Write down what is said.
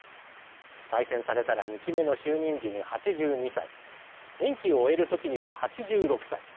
再選されたら２期目の就任時に８２歳任期を終える時には８６歳。